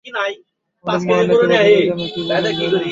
আমাদের মহান নেত্রী বাচ্চাদের জন্য কী বলেন জানো?